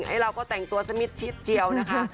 ไอ้เราก็แต่งตัวสมิทชิดเจียวนะคะ